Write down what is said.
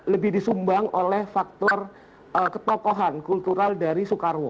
lebih disumbang oleh faktor ketokohan kultural dari soekarwo